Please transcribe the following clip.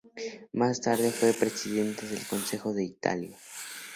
Más tarde fue presidente del Consejo de Italia.